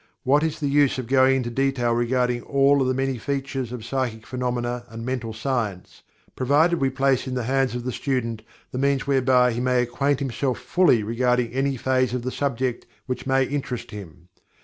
What is the use of going into detail regarding all of the many features of psychic phenomena and mental science, provided we place in the hands of the student the means whereby he may acquaint himself fully regarding any phase of the subject which may interest him.